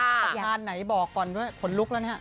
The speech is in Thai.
ประธานไหนบอกก่อนด้วยขนลุกแล้วนะครับ